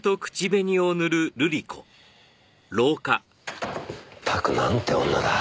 ったくなんて女だ。